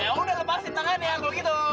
ya udah lepasin tangan ya kalau gitu